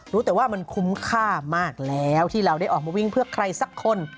รู้แต่ว่ามันคุ้มค่ามากแล้วที่เราได้ออกมาวิ่งเพื่อใครสักคน